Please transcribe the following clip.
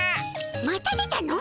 また出たの！